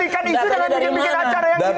ini dia tuh